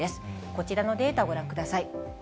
こちらのデータ、ご覧ください。